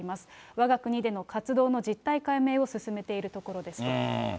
わが国での活動の実態解明を進めているところですと。